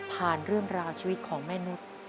เรื่องราวชีวิตของแม่นุษย์